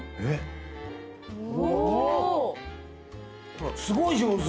ほらすごい上手。